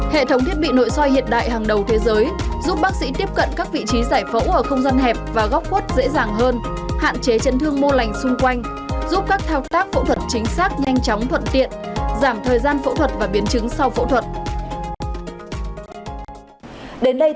hệ thống thiết bị nội soi hiện đại hàng đầu thế giới giúp bác sĩ tiếp cận các vị trí giải phẫu ở không gian hẹp và góc quất dễ dàng hơn hạn chế chân thương mô lành xung quanh giúp các thao tác phẫu thuật chính xác nhanh chóng thuận tiện giảm thời gian phẫu thuật và biến chứng sau phẫu thuật